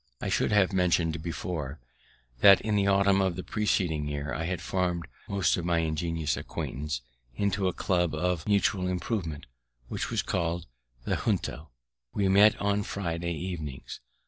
I should have mentioned before, that, in the autumn of the preceding year, I had form'd most of my ingenious acquaintance into a club of mutual improvement, which was called the Junto; we met on Friday evenings.